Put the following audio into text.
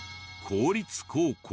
公立高校？